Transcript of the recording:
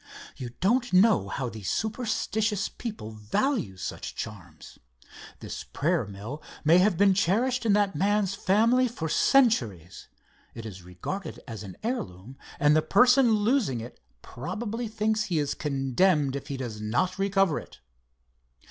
"You don't know how these superstitious people value such charms. This prayer mill may have been cherished in that man's family for centuries. It is regarded an heirloom, and the person losing it probably thinks he is condemned if he does not recover it."